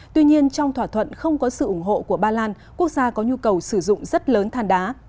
tuy nhiên trong thỏa thuận không có sự ủng hộ của ba lan quốc gia có nhu cầu sử dụng rất lớn thàn đá